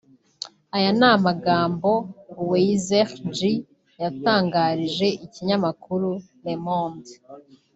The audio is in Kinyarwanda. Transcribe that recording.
Aya ni amagambo Weizhi Ji yatangarije ikinyamakuru Le monde